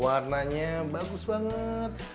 warnanya bagus banget